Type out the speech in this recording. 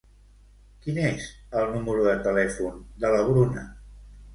Quin és el número de telèfon de la Bruna?